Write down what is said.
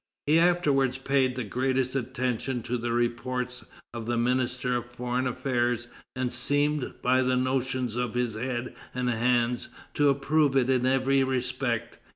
He afterwards paid the greatest attention to the report of the Minister of Foreign Affairs, and seemed, by the motions of his head and hands, to approve it in every respect.